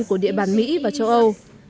của địa bàn mỹ và châu âu